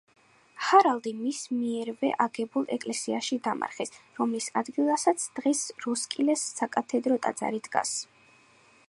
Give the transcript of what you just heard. ჰარალდი მის მიერვე აგებულ ეკლესიაში დამარხეს, რომლის ადგილასაც დღეს როსკილეს საკათედრო ტაძარი დგას.